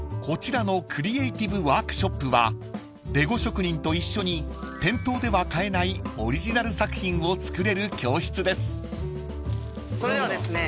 ［こちらのクリエイティブワークショップはレゴ職人と一緒に店頭では買えないオリジナル作品を作れる教室です］